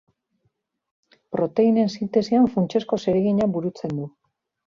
Proteinen sintesian funtsezko zeregina burutzen du.